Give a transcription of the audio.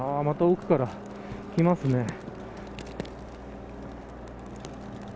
また奥から来ますね。